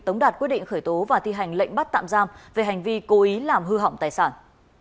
tống đạt quyết định khởi tố và thi hành lệnh bắt tạm giam về hành vi cố ý làm hư hỏng tài sản